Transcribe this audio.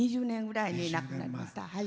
２０年ぐらい前に亡くなりました。